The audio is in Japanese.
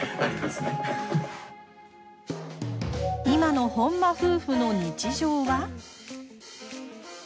今の本間夫婦の日常は。